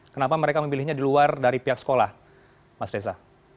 kenapa mereka memilihnya di luar dari pihak sekolah mas reza